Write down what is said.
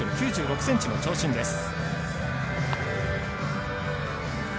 １ｍ９６ｃｍの長身です。